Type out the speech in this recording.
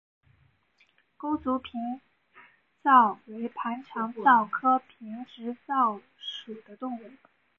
钩足平直蚤为盘肠蚤科平直蚤属的动物。